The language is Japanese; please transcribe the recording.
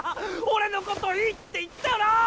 俺のこと良いって言ったよなぁ！